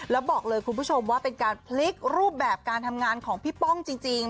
แล้วบอกเลยคุณผู้ชมว่าเป็นการพลิกรูปแบบการทำงานของพี่ป้องจริง